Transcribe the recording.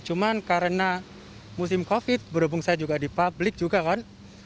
cuma karena musim covid berhubung saya juga di publik juga kan